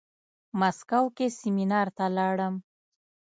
مسکو کې سيمينار ته لاړم.